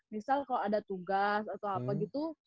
misal kalau ada tugas atau apa gitu